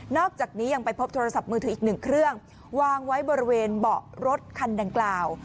อกจากนี้ยังไปพบโทรศัพท์มือถืออีกหนึ่งเครื่องวางไว้บริเวณเบาะรถคันดังกล่าว